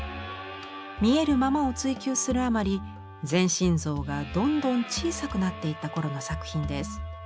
「見えるまま」を追求するあまり全身像がどんどん小さくなっていった頃の作品です。